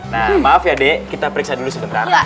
nah maaf ya dek kita periksa dulu sebentar